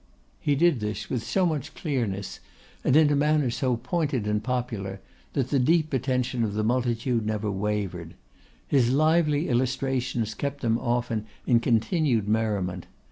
He did this with so much clearness, and in a manner so pointed and popular, that the deep attention of the multitude never wavered. His lively illustrations kept them often in continued merriment.